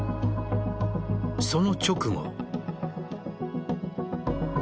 その直後。